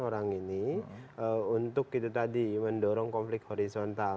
menggunakan orang ini untuk mendorong konflik horizontal